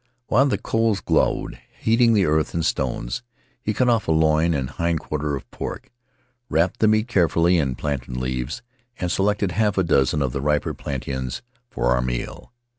While the coals glowed, heating the earth and stones, he cut off a loin and hind quarter of pork, wrapped the meat carefully in plantain leaves, and selected half a dozen of the riper plantains for our meal.